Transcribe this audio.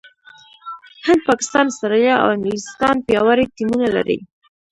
هند، پاکستان، استراليا او انګلستان پياوړي ټيمونه لري.